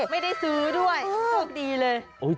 ไม่ได้ซื้อด้วยโชคดีเลย